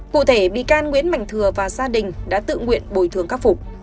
cụ thể bị can nguyễn mạnh thừa và gia đình đã tự nguyện bồi thường khắc phục